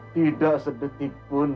tidak sedetik pun